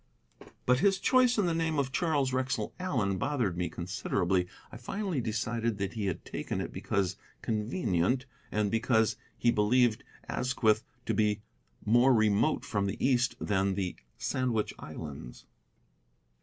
But his choice of the name of Charles Wrexell Allen bothered me considerably. I finally decided that he had taken it because convenient, and because he believed Asquith to be more remote from the East than the Sandwich Islands.